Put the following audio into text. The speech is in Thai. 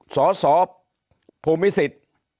สอสอภูมิศิษฐ์